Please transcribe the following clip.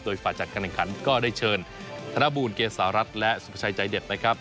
โดยฝ่ายจัดการแข่งขันก็ได้เชิญธนบูลเกษารัฐและสุภาชัยใจเด็ดนะครับ